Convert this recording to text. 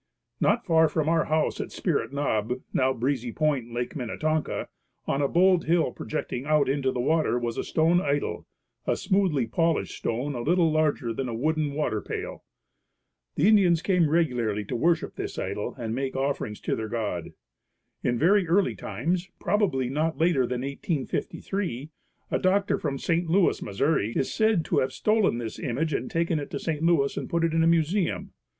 Not far from our house at Spirit Knob, now Breezy Point, Lake Minnetonka, on a bold hill projecting out into the water was a stone idol, a smoothly polished stone a little larger than a wooden water pail. The Indians came regularly to worship this idol and make offerings to their god. In very early times, probably not later than 1853, a doctor from St. Louis, Mo., is said to have stolen this image and taken it to St. Louis and put it in a museum.